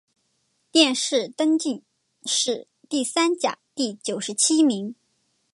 殿试登进士第三甲第九十七名。